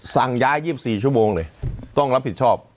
สั่งย้าย๒๔ชั่วโมงเลยต้องรับผิดชอบ